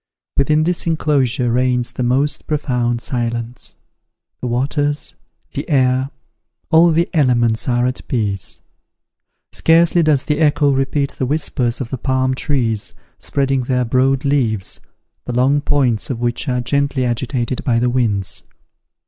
Within this inclosure reigns the most profound silence. The waters, the air, all the elements are at peace. Scarcely does the echo repeat the whispers of the palm trees spreading their broad leaves, the long points of which are gently agitated by the winds.